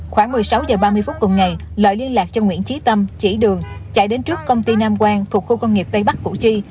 khoảng một mươi sáu h ba mươi phút cùng ngày lợi liên lạc cho nguyễn trí tâm chỉ đường chạy đến trước công ty nam quang thuộc khu công nghiệp tây bắc củ chi